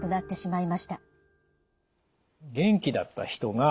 はい。